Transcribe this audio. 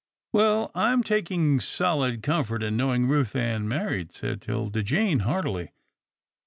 Well, I'm taking solid comfort in knowing Ruth Ann married," said 'Tilda Jane heartily.